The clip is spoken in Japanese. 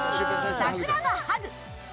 桜葉ハグ。